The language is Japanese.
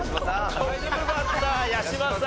トップバッター八嶋さん